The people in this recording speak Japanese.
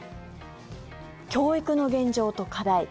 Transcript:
教育の現状と課題。